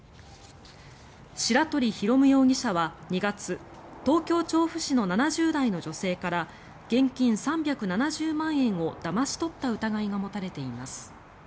白鳥紘夢容疑者は２月東京・調布市の７０代の女性から現金３７０万円をだまし取った疑いが持たれています。